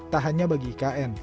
tak hanya bagi ikn